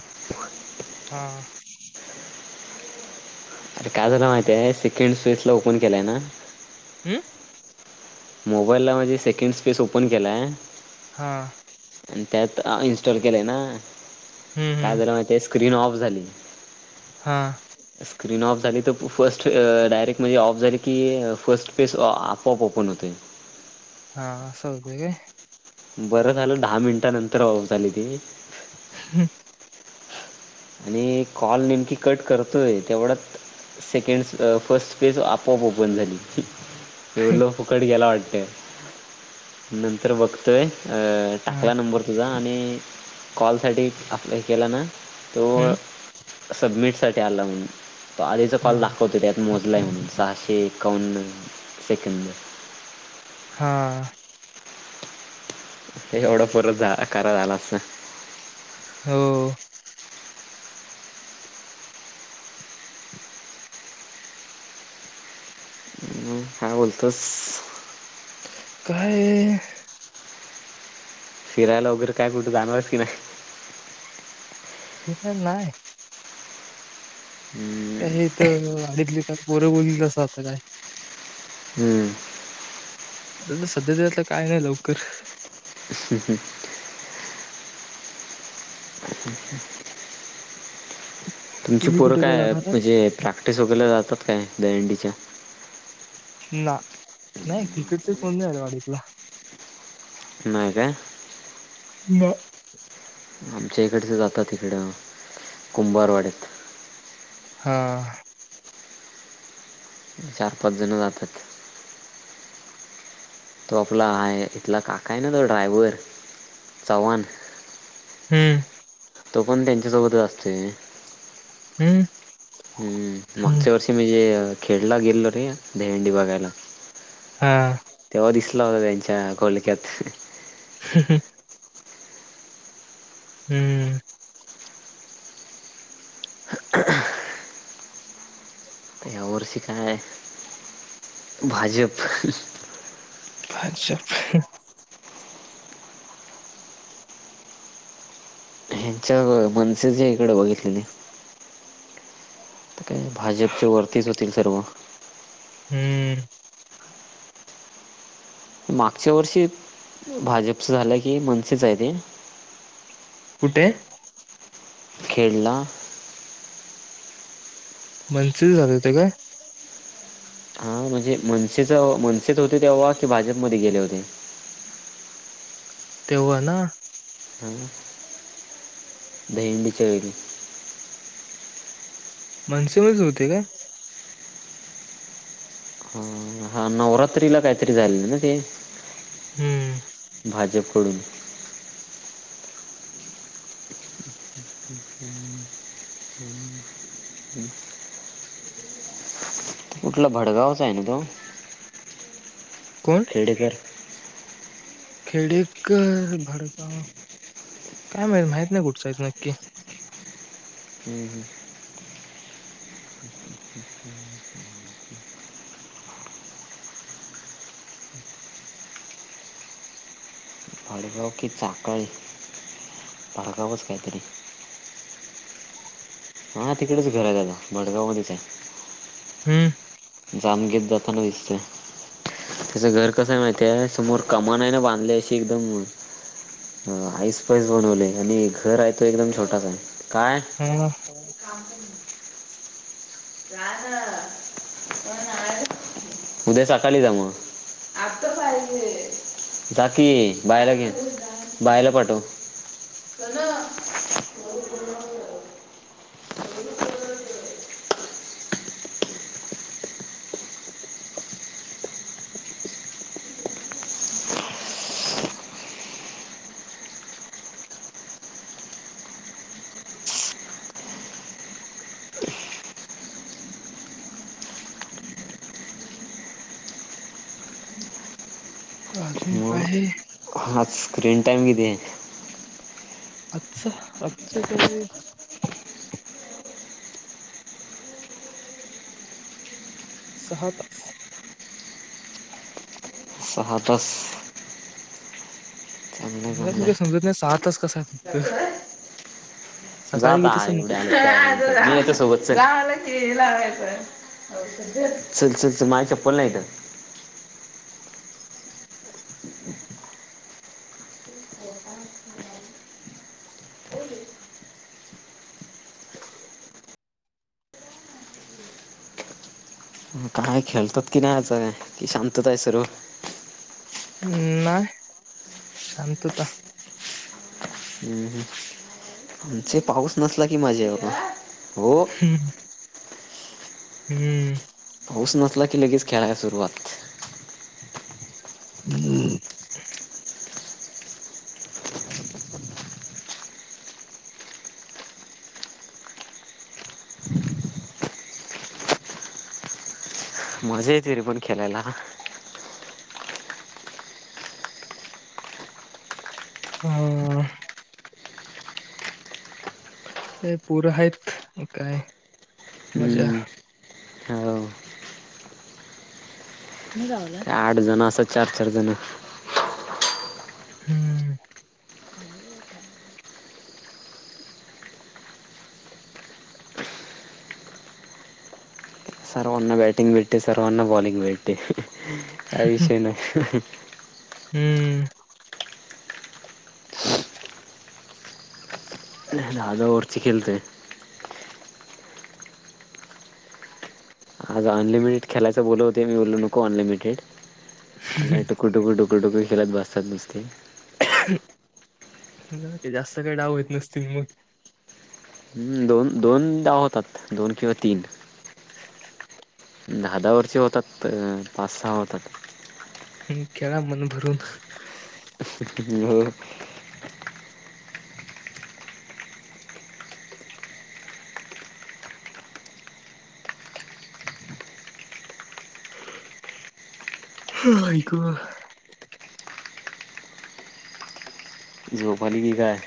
[inaudible] हां. अरे काय झालं माहिती आहे सेकंड स्विसला ओपन केलय ना अम्. मोबाईलला माझे सेकंड स्पेस ओपन केलाय. हां. आणि त्यात इन्स्टॉल केलेय ना हम्म काय हम्म झालं माहितेय, स्क्रीन ऑफ झाली. हां. स्क्रीन ऑफ झाली तर फस्ट अं डायरेक्ट म्हणजे ऑफ झाली अं की, फर्स्ट फेस आपऑप ओपन होते. हा अस होतंय काय? बरं झालं धा मिनिटानंतर ऑफ झाली ती हम्. आणि कॉल नेमकी कट करतोय तेवढ्यात सेकंड्स अं फर्स्ट पेज आपोआप ओपन झाली. जेवलो फुकट गेला वाटतं. नंतर बघतोय हा टाकला नंबर तुझा आणि, कॉलसाठी आपला हे केला ना तो हम्म सबमिट साठी आला म्हणून आधीचा हा कॉल दाखवतो त्यात. मोजलाय म्हणून सहाशे एकावन्न सेकंद. हा. हे एवढं पुरत जा करा आला असतं. हो. हम्म, काय बोलतोस? काय फिरायला वगैरे काय कुठं जाणारयस की नाय. [unintelligible] नाय. हम्म. हिथं [unintelligible] पोरं बोलील तसं [unintelligible] हम्म. सध्या तरी आता काय नाय लवकर. हं हं. [inaudible] तुमची तुम्ही पोरं कुठे काय जाणार आहात म्हणजे प्रॅक्टिसला वगैरे जातात काय दहंडीच्या? ना नाय क्रिकेटचा कोण नाय आरे वाडीतला. नाय काय? म आमच्या इकडचे जात्यात तिकडं कुंभारवाड्यात. हा. चार-पाच जण जातात. तो आपला हाय इथला काकाय ना तो ड्रायवर चव्हाण. हम्म. तो पण त्यांच्या सोबतच असतोय. हम्म. हम्म. मागच्या वर्षी मी जे खेडला गेलो रे दहीहंडी बघायला. हा. तेव्हा दिसला होता त्यांच्या घोळक्यात. [inaudible] हम्म. बुरशी काय भा भाजप. भाजप. ह्यांच्या मनसे जे इकडे बघितलेली. [inaudible] भाजपच्या वरतीच होते सर्व. हम्म. मागच्या वर्षी भाजपचं झालं की मनसेच आहे रे? कुठे? खेडला. मनसेचे झाले होते काय? हा म्हणजे मनसेच मनसेच होते तेव्हा की भाजपमध्ये गेले होते. तेव्हा ना. हम्. दहीहंडीच्या वेळी. मनसेकडूनच होते काय? हा हा नवरात्रीला काहीतरी झालेले ना ते. हम्म भाजप कडून. [inaudible] कुठला भडगावच आहे ना तो? कोण खेडेकर. खेडीकर भडगाव काय माहित माहित नाही कुठचाईच नक्की. [inaudible] लोकी साखळ भाळगावच काहीतरी. हा तिकडेच घर आहे दादा मडगाव मध्येच आहे. हम. जागेत जथानते दिसते. त्याचं घर कसं माहितीय समोर कमान आहे ना बांधले अशी एकदम अ आईस पैस बनवले आणि घर आहे तो एकदम छोटासा हाय. काय? [unintelligible] काग उद्या सकाळी जाम. आत्ता पाहिजे. जाकी की बायला घे बायला पाठव. कला् अजून प्राय मग हे. हा स्क्रीन टाइम किती? अच्छ अच क नी सहा तास. सहा तास? चांगलं मला एक मदी समजत नाय साहा तास कसा फक्त? जा सकाळी आता किती सं एवढी आलीस तर मी येतो सोबत चल. चल चल चल माझी चप्पल नाय इथ. [inaudible] इथं काय खेळतात की नाय आज की शांतता आय सर्व? हम्म, नाय शांतता. हम्म हम्. जे पाऊस नसला की मज्जा आय [unintelligible] वो. हम्म. पाऊस नसला की लगेच खेळाय सुरुवात. [inaudible] मजा येते रे पण खेळायला. हम्म. काय पोर हायत काय मजा. हम्म, हो. काय आठ जण असं चार चार जण. हम्म. सर्वांना बॅटिंग भेटते सर्वांना बॉलिंग भेटते काय विषय नाय. हम्म. दहा दहा ओव्हरची खेलतय. आज अनलिमिटेड खेलायचं बोलत होते, मी बोललो नको अनलिमिटेड टुकू टुक टुक टुकू टुकू खेलत बसतात नुसते. जास्त काय डाव येत नसतील मग? दोन दोन डाव होतात दोन किंवा तीन. दहा दहा ओवरचे होतात पाच सहा होतात. हम्म, खेळा मन भरून. हो. हा आई ग. झोप आली की काय?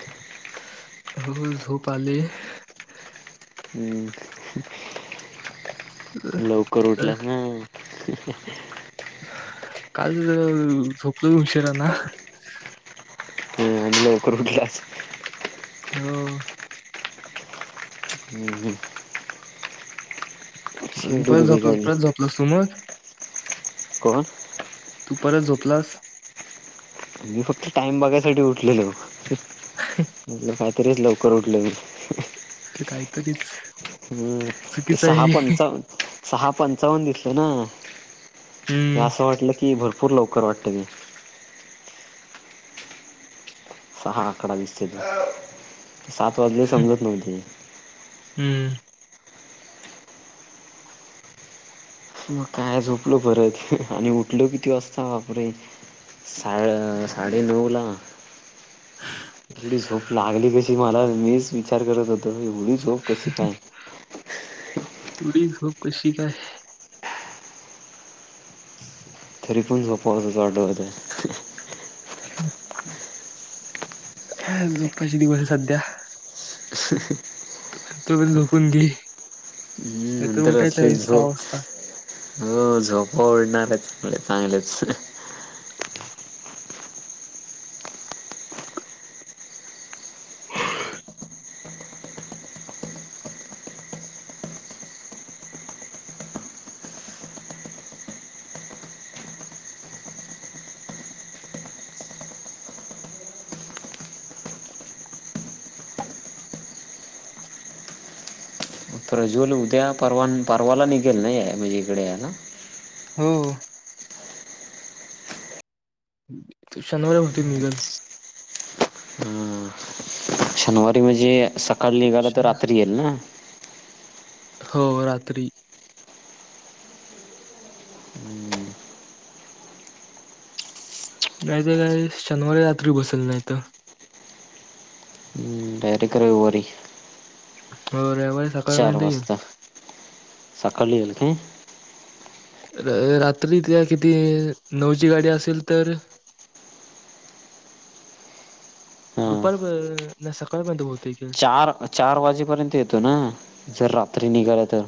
होय झोप आली. हम्म, लव कर उठला ना. काल ते जरा झोपलो उशीरान. हम्म, आणि लवकर उठलीयास? हो. [unintelligible] अजून पारत शेड्यूल झपलास परत बिघडलं झोपलास तू मग? कोण? तू परत झोपलास? मी फक्त टाइम बघायसाठी उठलेल म्हटलं कायतरीच लवकर उठलो मी. कायतरीच. हम्म. ते सहा पंचावन, सहा पंचावन्न दिसलं ना. ते हम्म असं वाटलं की, भरपूर लवकर वाटतं मी. सहा आकडा दिसतंय ते. सात वाजले समजत नव्हते. हम्म. मग काय झोपलो परत. आणि उठलो किती वाजता. बापरे! साड- साडेनऊला. एवढी झोप लागली कशी, मला? मीच विचार करत होतो. एवढी झोप कशी [unintelligible] काय एवढी झोप कशी काय? तरी पण झोपावंसच वाटत होतं. [unintelligible] झोप्पायचे दिवसय सध्या. [unintelligible] तू पण झोपून घे. हम्म, नाहीतर नंतर उठायचं असले आहे सहा झोप. वाजता हो, झोपा उडणार चले चांगलेच. प्रज्वल, उद्या- परवा न परवाला निघेल ना, याय म्हणजे इकडे यायला. हो. तो शनिवारी बहुतेक निघल. हम्म. शनिवारी म्हणजे, सकाळ निघाल तर, शन रात्री येईल ना. हो, रात्री. हम्म. नाही तर काय, शनिवारी रात्री बसल नाहीतर. डायरेक रविवारी. तोऱ्यावर. चार वाजता. सकाळी ईल काय? रं रात्री त्याला किती? नऊची गाडी असेल तर हा दुपार प नाही, सकाळपर्यंत होईल. चार, चार वाजेपर्यंत येतो ना. जर रात्री निघाल तर.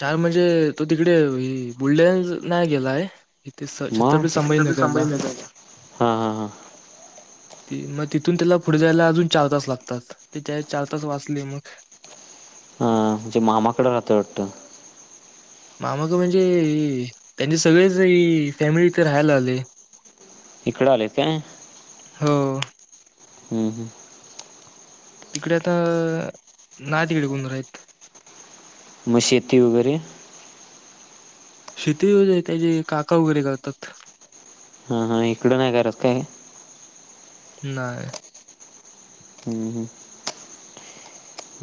चार म्हणजे, तो तिकडे बुलढाण्याला ना गेलाय. इथे छ मग छत्रपती संभाजीनगरला. हा हा हा ती मग तिथून त्याला पुढे जायला अजून चार तास लागतात. ते त्या चार तास वाचले मग. हा, म्हजे मामाकडं राहतोय वाटतं. मामा ग म्हणजे, इ इ त्यांचे सगळेच इ इ इ फॅमिली इथे राहायला आले. इकडं आले काय? हो. हम्म, हम्. तिकडे आता, ना तिकडे कोण राहित. मग शेती वगैरे? शेती होय, त्याचे काका वगैरे करतात. हां, हां. इकडं नाही करत काय? नाय. हम्, ह.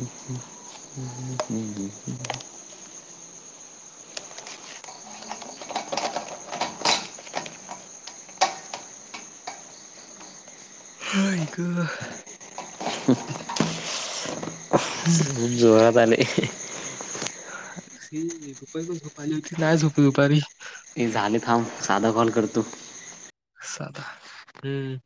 [unintelligible] [inaudible] आई गं. हम्म. जीवावर आले [inaudible] दुपारी पण झोप आली होती, नाय झोपलो दुपारी. हे झाले थांब. साधा कॉल करतो. साधा. हम्म